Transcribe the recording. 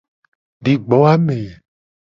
Di gbo ame.